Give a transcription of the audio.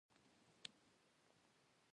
اوسمهالی افغان انسان له ننګونو سره مخ دی.